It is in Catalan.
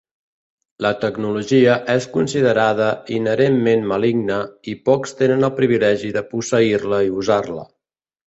La tecnologia és considerada inherentment maligna i pocs tenen el privilegi de posseir-la i usar-la.